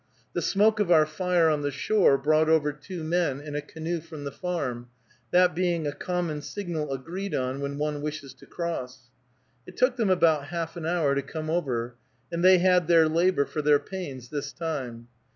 The smoke of our fire on the shore brought over two men in a canoe from the farm, that being a common signal agreed on when one wishes to cross. It took them about half an hour to come over, and they had their labor for their pains this time.